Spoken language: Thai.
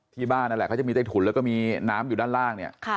นั่นแหละเขาจะมีใต้ถุนแล้วก็มีน้ำอยู่ด้านล่างเนี่ย